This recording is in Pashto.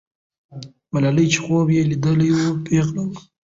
ملالۍ چې خوب یې لیدلی وو، پیغله وه.